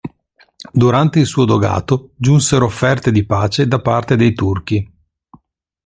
Durante il suo dogato giunsero offerte di pace da parte dei turchi.